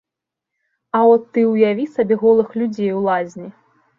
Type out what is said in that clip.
А от ты ўяві сабе голых людзей у лазні?